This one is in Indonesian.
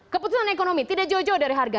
keputusan ekonomi tidak jauh jauh dari harga